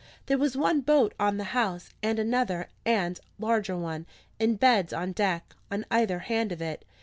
There was one boat on the house, and another and larger one, in beds on deck, on either hand of it.